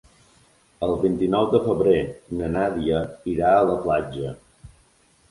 El vint-i-nou de febrer na Nàdia irà a la platja.